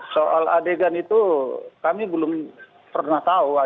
soal adegan itu kami belum pernah tahu adegan bagaimana di rumah pribadi